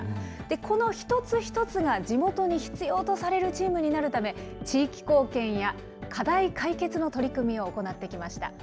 この一つ一つが地元に必要とされるチームになるため、地域貢献や課題解決の取り組みを行ってきました。